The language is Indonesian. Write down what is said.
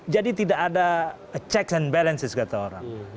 jadi tidak ada checks and balances kata orang